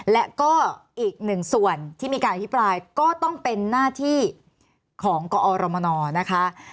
และก็อีกหนึ่งส่วนที่มีการอภิปรายก็ต้องเป็นหน้าที่ของกอรมนนะคะ